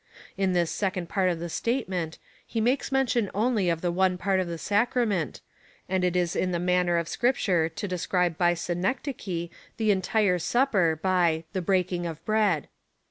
In this second part of the statement, he makes mention only of the one part of the Sacrament, and it is the manner of Scripture to describe by Synecdoche^ the entire Supper by the breaking of bread.